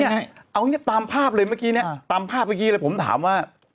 เอาอย่างนี้ตามภาพเลยเมื่อกี้เนี่ยตามภาพเมื่อกี้เลยผมถามว่า